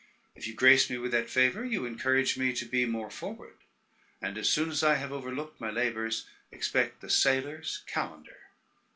If you grace me with that favor, you encourage me to be more forward; and as soon as I have overlooked my labors, expect the Sailor's Calendar.